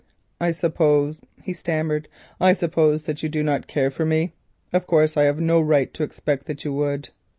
"I suppose," he stammered, "I suppose that you do not care for me? Of course, I have no right to expect that you would."